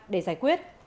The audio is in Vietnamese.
để giải quyết